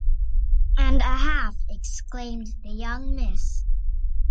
And a half! exclaimed the young Miss.